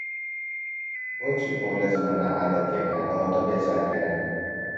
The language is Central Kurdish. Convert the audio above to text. بۆچی پۆلە زمانە عادەتییەکان ئەوەندە بێزارکەرن؟